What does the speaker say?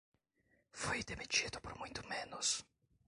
Fui demitido por muito menos